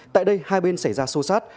tại đây hai bên xảy ra sâu sát